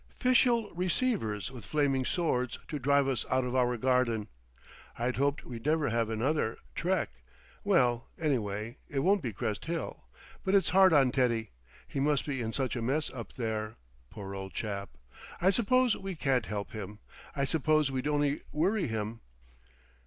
Ficial Receivers with flaming swords to drive us out of our garden! I'd hoped we'd never have another Trek. Well—anyway, it won't be Crest Hill.... But it's hard on Teddy. He must be in such a mess up there. Poor old chap. I suppose we can't help him. I suppose we'd only worry him.